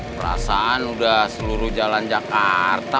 perasaan udah seluruh jalan jakarta